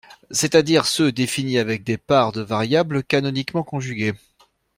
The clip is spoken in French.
c'est à dire ceux définis avec des pares de variables canoniquement conjuguées